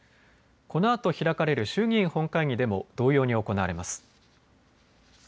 このあと開かれる衆議院本会議でも同様に行われます。